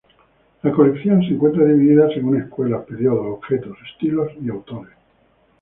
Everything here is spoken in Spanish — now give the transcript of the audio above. La colección se encuentra dividida según escuelas, períodos, objetos, estilos y autores.